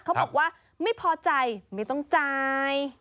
เขาบอกว่าไม่พอใจไม่ต้องจ่าย